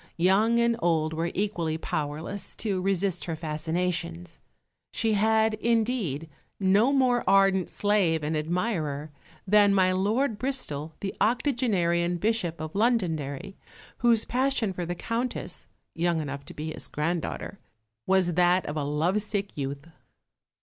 Young and old were equally powerless to resist her fascinations. She had, indeed, no more ardent slave and admirer than my Lord Bristol, the octogenarian Bishop of Londonderry, whose passion for the Countess, young enough to be his granddaughter, was that of a lovesick youth.